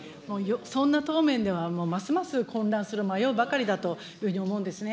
そんな答弁ではますます混乱する、迷うばかりだと思うんですね。